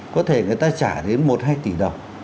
có thể người ta trả đến một hai tỷ đồng